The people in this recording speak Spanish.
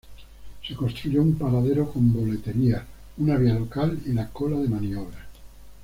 Se construyó un paradero con boleterías, una vía local y la cola de maniobras.